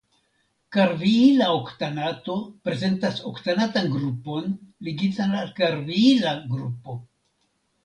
Karviila oktanato prezentas oktanatan grupon ligitan al karviila grupo.